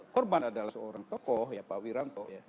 korban adalah seorang tokoh ya pak wiranto